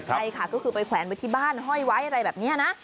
ใช่ค่ะก็คือไปแขวนไว้ที่บ้านห้อยไว้อะไรแบบนี้นะ